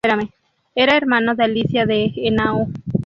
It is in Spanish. Era hermano de Alicia de Henao.